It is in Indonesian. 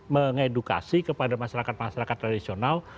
mengedukasi kepada masyarakat masyarakat tradisional